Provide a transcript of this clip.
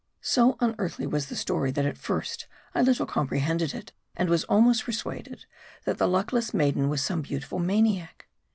So unearthly was the story, that at first I little compre hended it ; and was almost persuaded that the luckless maiden was some beautiful maniac.